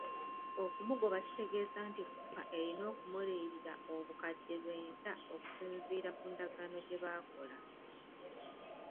Okumugoba kitegeeza nti FUFA erina okumuliyirira n'obukadde lwenda okusinziira ku ndagaano gye baakola.